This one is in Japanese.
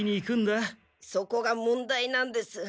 そこが問題なんです。